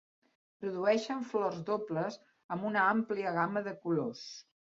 Produeixen flors dobles amb una àmplia gamma de colors.